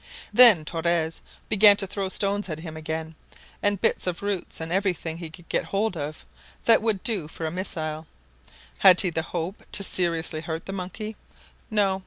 Then Torres began to throw stones at him again, and bits of roots and everything he could get hold of that would do for a missile. Had he the hope to seriously hurt the monkey? No!